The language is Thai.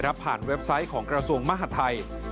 ผ่านเว็บไซต์ของกระทรวงมหาดไทย